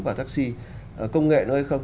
và taxi công nghệ nữa hay không